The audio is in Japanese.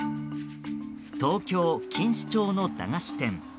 東京・錦糸町の駄菓子店。